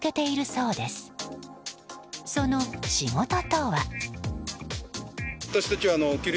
その仕事とは。